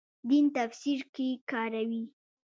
دین تفسیر کې کاروي.